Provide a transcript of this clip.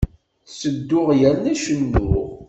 Ttedduɣ yerna cennuɣ.